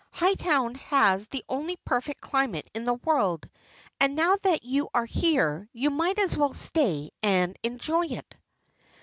"Hightown has the only perfect climate in the world, and now that you are here, you might as well stay and enjoy it."